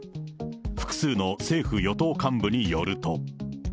複数の政府・与党幹部によると。